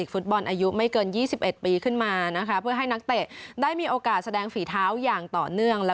ฟุตบอลอายุไม่เกิน๒๑ปีขึ้นมานะคะเพื่อให้นักเตะได้มีโอกาสแสดงฝีเท้าอย่างต่อเนื่อง